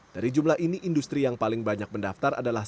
dari jumlah ini industri yang paling banyak mendaftar adalah